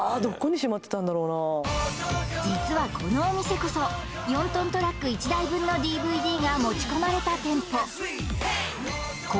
実はこのお店こそ４トントラック１台分のＤＶＤが持ち込まれた店舗